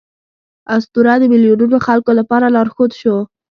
اسطوره د میلیونونو خلکو لپاره لارښود شو.